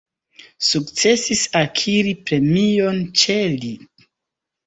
Sukcesis akiri premion ĉe lit.